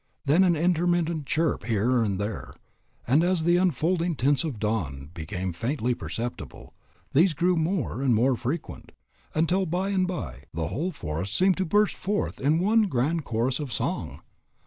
Then an intermittent chirp here and there. And as the unfolding tints of the dawn became faintly perceptible, these grew more and more frequent, until by and by the whole forest seemed to burst forth in one grand chorus of song.